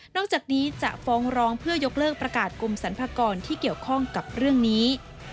จากนี้จะฟ้องร้องเพื่อยกเลิกประกาศกรมสรรพากรที่เกี่ยวข้องกับเรื่องนี้